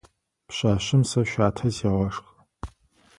Пшъашъэм сэ щатэ сегъэшхы.